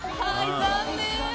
残念。